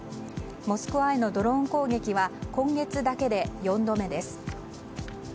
モスクワへのドローン攻撃は今月だけで４度目です。